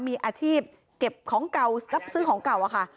มีอาชีพเก็บของเก่ารับซื้อของเก่าอะค่ะ